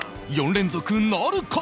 ４連続なるか？